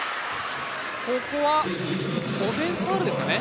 ここはオフェンスファウルですかね。